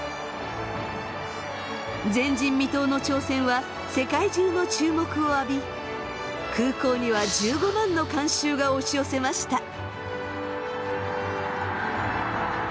前人未到の挑戦は世界中の注目を浴び空港には１５万の観衆が押し寄せました。